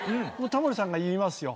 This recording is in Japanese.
タモリさんが言いますよ